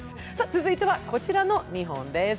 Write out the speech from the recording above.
続いてはこちらの２本です。